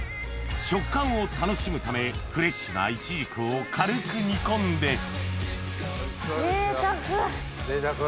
食感を楽しむためフレッシュなイチジクを軽く煮込んでぜいたく！